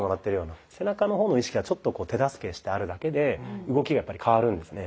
背中の方の意識がちょっと手助けしてあるだけで動きがやっぱり変わるんですね。